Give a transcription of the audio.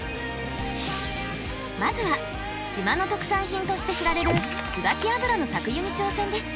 まずは島の特産品として知られるつばき油の搾油に挑戦です。